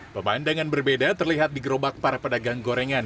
pemandangan berbeda terlihat di gerobak para pedagang gorengan